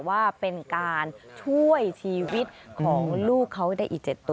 ว่าเป็นการช่วยชีวิตของลูกเขาได้อีก๗ตัว